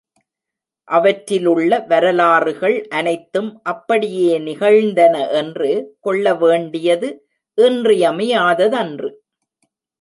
அவற்றிலுள்ள வரலாறுகள் அனைத்தும் அப்படியே நிகழ்ந்தன என்று கொள்ள வேண்டியது இன்றியமையாததன்று.